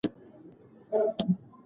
آیا ته پوهېږې چې دا کلا چا جوړه کړې ده؟